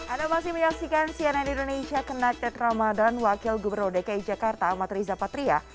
ada masih menyaksikan siaran di indonesia kenak tetramah dan wakil gubernur dki jakarta amat riza patria